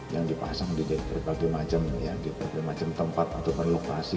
yang dipasang di berbagai macam tempat atau lokasi